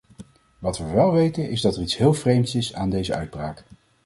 Wat we wel weten, is dat er iets heel vreemds is aan deze uitbraak.